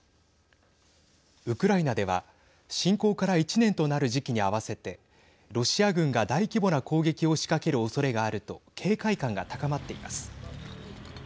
ウクライナでは侵攻から１年となる時期に合わせてロシア軍が大規模な攻撃を仕掛ける恐れがあると警戒感が高まっています。